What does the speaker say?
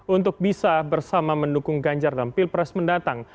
untuk bisa bersama mendukung ganjar dalam pilpres mendatang